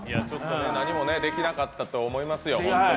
何もできなかったと思いますよ、ホントに。